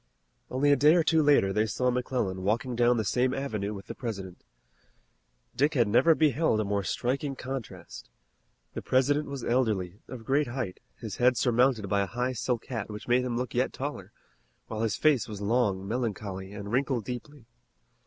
Only a day or two later they saw McClellan walking down the same avenue with the President. Dick had never beheld a more striking contrast. The President was elderly, of great height, his head surmounted by a high silk hat which made him look yet taller, while his face was long, melancholy, and wrinkled deeply.